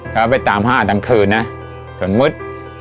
เขาไปตามห้าดังคืนนะจนมืด